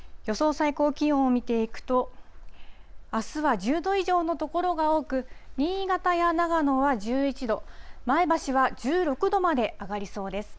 最高気温を見ていくと、あすは１０度以上の所が多く、新潟や長野は１１度、前橋は１６度まで上がりそうです。